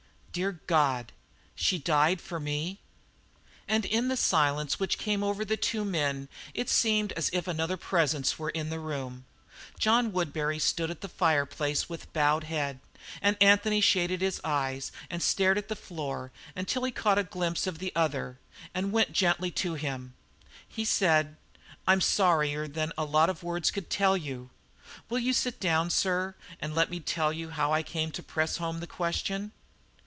"Dear God! She died for me?" And in the silence which came over the two men it seemed as if another presence were in the room. John Woodbury stood at the fire place with bowed head, and Anthony shaded his eyes and stared at the floor until he caught a glimpse of the other and went gently to him. He said: "I'm sorrier than a lot of words could tell you. Will you sit down, sir, and let me tell you how I came to press home the question?"